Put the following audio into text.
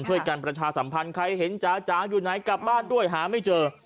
ช่วยกันประชาสัมพันธ์ใครเห็นจ๋าจ๋าอยู่ไหนกลับบ้านด้วยหาไม่เจอ